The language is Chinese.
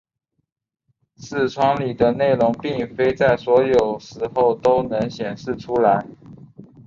视窗里的内容并非在所有时候都能显示出来。